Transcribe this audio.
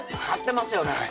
勝ってますよね